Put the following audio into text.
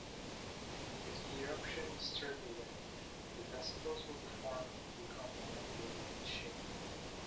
If the eruption is turbulent the vesicles will deform and become elongated in shape.